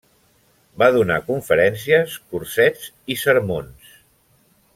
Va donar conferències, cursets, i sermons.